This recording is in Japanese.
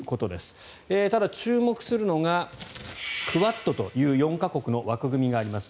ただ、注目するのがクアッドという４か国の枠組みがあります。